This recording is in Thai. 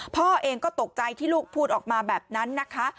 พ่อเองก็ตกใจที่ลูกพูดออกมาแบบนั้นนะคะ